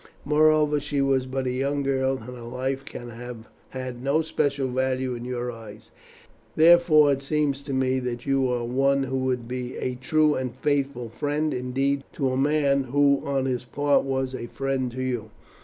Moreover, she was but a young girl, and her life can have had no special value in your eyes; therefore, it seems to me that you are one who would be a true and faithful friend indeed to a man who on his part was a friend to you.